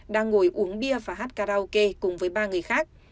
đang ngồi uống bia và hát karaoke cùng với ba người khác